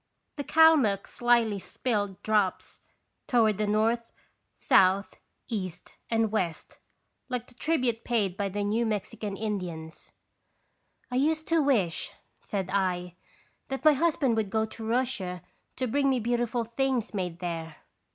The Kalmuck slyly spilled drops Qt rations Visitation. 159 toward the north, south, east, and west, like the tribute paid by the New Mexican Indians. " I used to wish,'* said 1, " that my husband would go to Russia to bring me beautiful things made there."